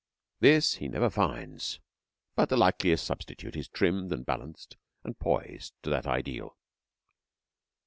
This he never finds, but the likest substitute is trimmed and balanced and poised to that ideal.